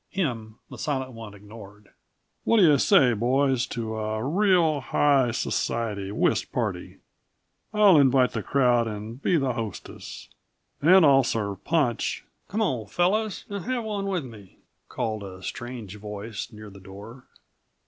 Him the Silent One ignored. "What do you say, boys, to a real, high society whist party? I'll invite the crowd, and be the hostess. And I'll serve punch " "Come on, fellows, and have one with me," called a strange voice near the door.